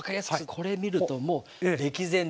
これ見るともう歴然ですので。